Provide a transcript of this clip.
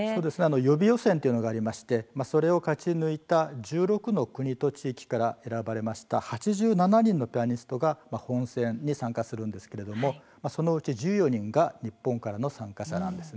予備予選というのがありまして、それを勝ち抜いた１６の国と地域から選ばれました８７人のピアニストが本戦に参加するんですがそのうち１４人が日本からの参加者なんです。